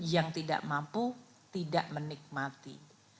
yang tidak mampu tidak menikmati